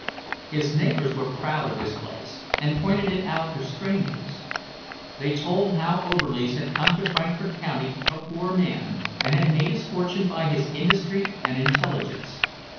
His neighbours were proud of his place, and pointed it out to strangers. They told how Oberlies had come to Frankfort county a poor man, and had made his fortune by his industry and intelligence.